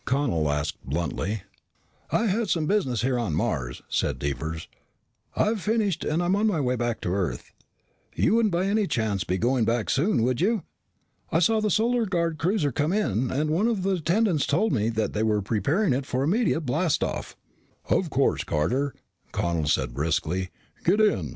Connel asked bluntly. "Had some business here on Mars," said Devers. "I've finished and I'm on my way back to Earth. You wouldn't, by any chance, be going back soon, would you? I saw the Solar Guard cruiser come in and one of the attendants told me that they were preparing it for immediate blast off " "Of course, Carter," Connel said briskly. "Get in.